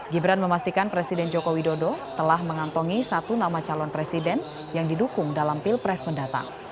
gibran memastikan presiden joko widodo telah mengantongi satu nama calon presiden yang didukung dalam pilpres mendatang